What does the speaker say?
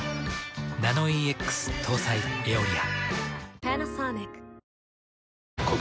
ナノイーＸ搭載「エオリア」。